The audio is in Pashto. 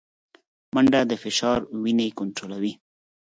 منډه د فشار وینې کنټرولوي